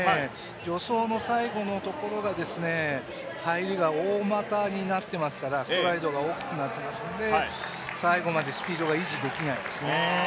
助走の最後のところが入りが大股になっていますからストライドが大きくなっていますので最後までスピードが維持できないですね。